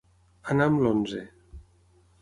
Anar amb l'onze.